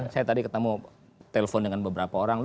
saya tadi ketemu telepon dengan beberapa orang